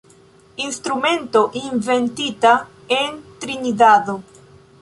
Instrumento inventita en Trinidado.